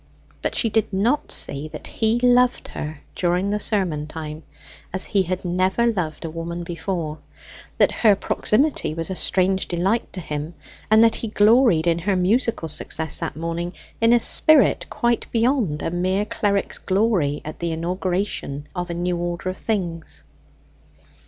But she did not see that he loved her during that sermon time as he had never loved a woman before; that her proximity was a strange delight to him; and that he gloried in her musical success that morning in a spirit quite beyond a mere cleric's glory at the inauguration of a new order of things.